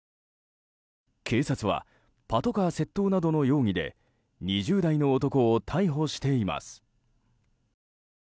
警察はパトカー窃盗などの容疑で２０代の男を逮捕しています。